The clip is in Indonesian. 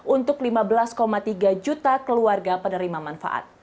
untuk lima belas tiga juta keluarga penerima manfaat